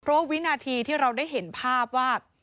เพราะว่าวินาทีที่เราได้เห็นภาพว่า